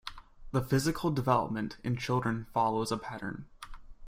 The physical development in children follows a pattern.